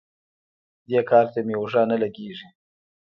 دې کار ته مې اوږه نه لګېږي.